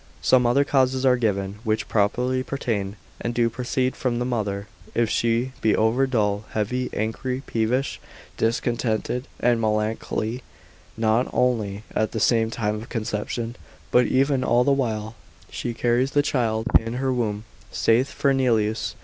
Some other causes are given, which properly pertain, and do proceed from the mother: if she be over dull, heavy, angry, peevish, discontented, and melancholy, not only at the time of conception, but even all the while she carries the child in her womb (saith Fernelius, path. l.